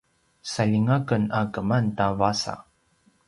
saljinga ken a keman ta vasa